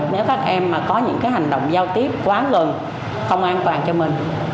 nếu các em có những hành động giao tiếp quá gần không an toàn cho mình